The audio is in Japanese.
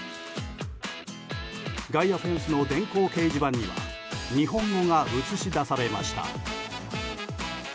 外野フェンスの電光掲示板には日本語が映し出されました。